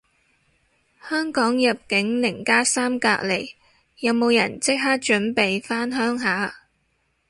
香港入境零加三隔離，有冇人即刻準備返鄉下